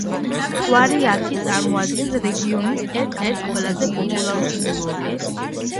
კვარიათი წარმოადგენს რეგიონის ერთ-ერთ ყველაზე პოპულარულ კურორტის.